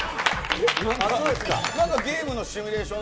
ゲームのシミュレーション